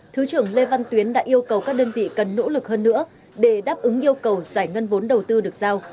thứ trưởng lê văn tuyến đã yêu cầu các đơn vị cần nỗ lực hơn nữa để đáp ứng yêu cầu giải ngân vốn đầu tư được giao